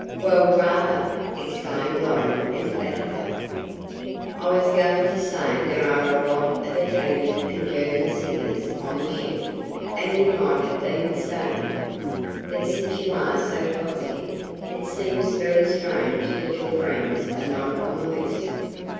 "Well, rather!" exclaimed Lorry, emphatically. "I was going to say there are a lot of Italian and German singers on the ship, and you might have been mistaken. But since you are so positive, it seems very strange that your friends are not on the list."